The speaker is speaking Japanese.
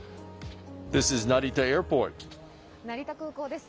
成田空港です。